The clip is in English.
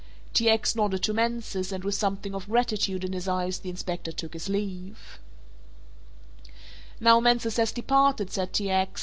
T. X. nodded to Mansus and with something of gratitude in his eyes the inspector took his leave. "Now Mansus has departed," said T. X.